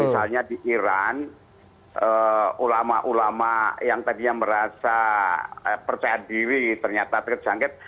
misalnya di iran ulama ulama yang tadinya merasa percaya diri ternyata terjangkit